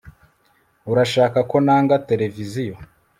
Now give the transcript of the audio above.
urashaka ko nanga televiziyo